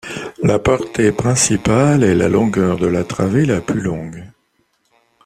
La portée principale est la longueur de la travée la plus longue.